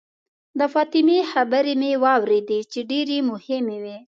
د فاطمې خبرې مې واورېدې چې ډېرې مهمې وې.